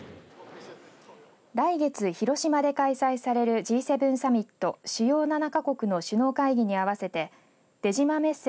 来月広島で開催されるＧ７サミット、主要７か国の首脳会議に合わせて出島メッセ